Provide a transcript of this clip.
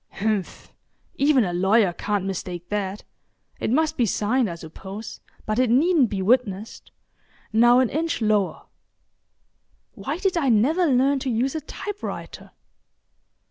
H'mph!—even a lawyer can't mistake that. It must be signed, I suppose, but it needn't be witnessed. Now an inch lower—why did I never learn to use a type writer?